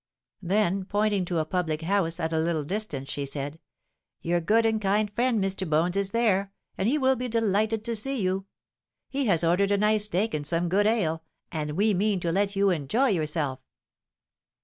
Then, pointing to a public house at a little distance, she said, 'Your good and kind friend Mr. Bones is there; and he will be so delighted to see you. He has ordered a nice steak and some good ale, and we mean to let you enjoy yourself.'